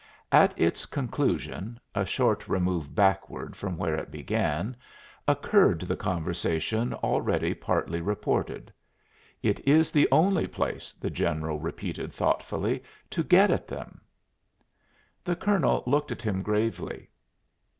At its conclusion a short remove backward from where it began occurred the conversation already partly reported. "It is the only place," the general repeated thoughtfully, "to get at them." The colonel looked at him gravely.